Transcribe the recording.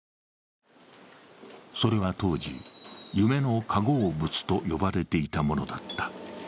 それは当時、夢の化合物と呼ばれていたものだった。